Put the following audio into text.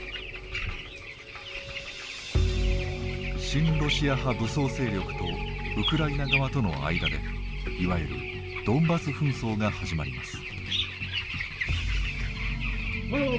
親ロシア派武装勢力とウクライナ側との間でいわゆるドンバス紛争が始まります。